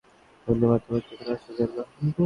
ধন্যবাদ তোমাকে এখানে আসার জন্য।